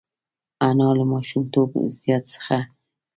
انا له ماشومتوبه زیات څه لیدلي دي